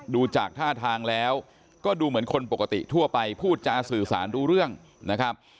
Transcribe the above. ดูจากท่าทางแล้วก็ดูเหมือนคนปกติทั่วไปพูดจาสื่อสารรู้เรื่องนะครับ